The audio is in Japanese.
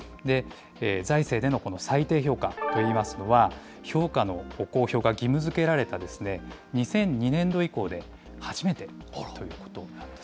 財政でのこの最低評価といいますのは、評価の公表が義務づけられた２００２年度以降で初めてということなんです。